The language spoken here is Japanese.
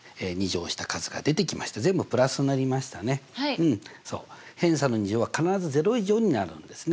うんそう偏差の２乗は必ず０以上になるんですね。